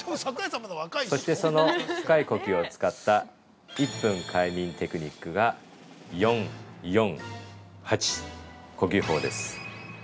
◆そして、その深い呼吸を使った１分快眠テクニックが４４８呼吸法です。